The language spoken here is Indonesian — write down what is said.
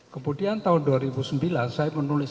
kemudian tahun dua ribu sembilan saya menulis